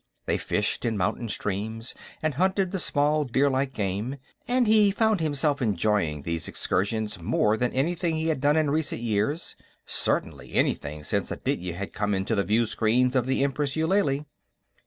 They fished in mountain streams, and hunted the small deerlike game, and he found himself enjoying these excursions more than anything he had done in recent years; certainly anything since Aditya had come into the viewscreens of the Empress Eulalie.